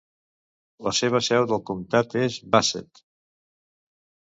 La seva seu del comtat és Bassett.